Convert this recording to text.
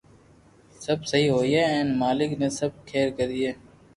سب سھي ھوئي ھين مالڪ بي سب کير ڪرئي